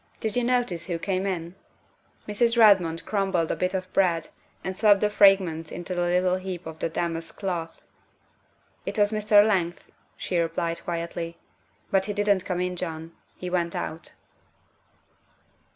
Did you notice who came in?" Mrs. Redmond crumbled a bit of bread and swept the fragments into a little heap on the damask cloth. " It was Mr. Leigh," she replied quietly, " but he didn't come in, John, he went out."